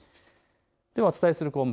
お伝えする項目